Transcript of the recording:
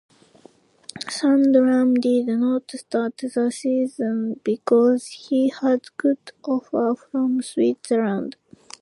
Sundram did not start the season because he had good offer from Switzerland.